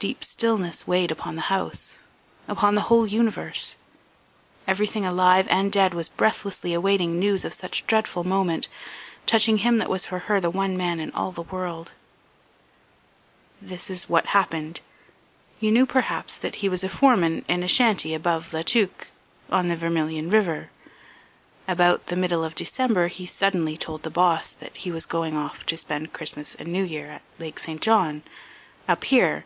Deep stillness weighed upon the house upon the whole universe. Everything alive and dead was breathlessly awaiting news of such dreadful moment touching him that was for her the one man in all the world ... "This is what happened. You knew perhaps that he was foreman in a shanty above La Tuque, on the Vermilion River. About the middle of December he suddenly told the boss that he was going off to spend Christmas and New Year at Lake St. John up here.